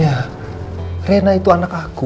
hai reina itu anak aku